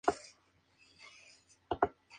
Sin embargo la carrera de Barry aún no despegaba.